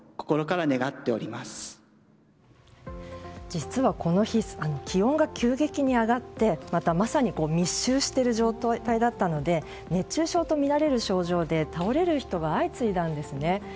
実はこの日気温が急激に上がってまた、まさに密集している状態だったので熱中症とみられる症状で倒れる人が相次いだんですね。